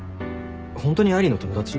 ホントに愛梨の友達？